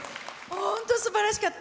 本当、すばらしかった。